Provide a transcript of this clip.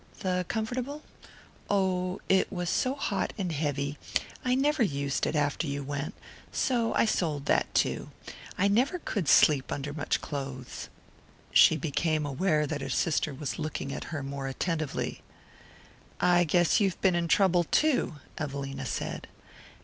"The comfortable? Oh, it was so hot and heavy I never used it after you went so I sold that too. I never could sleep under much clothes." She became aware that her sister was looking at her more attentively. "I guess you've been in trouble too," Evelina said.